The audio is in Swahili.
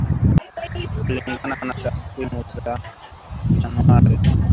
Kulingana na takwimu za Januari ishirini ishirini na mbili